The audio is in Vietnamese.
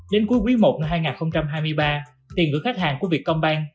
đến cuối quý i năm hai nghìn hai mươi ba tiền gửi khách hàng của việt công ban